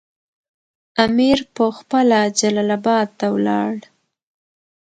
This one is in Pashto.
امیر پخپله جلال اباد ته ولاړ.